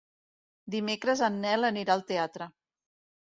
Dimecres en Nel anirà al teatre.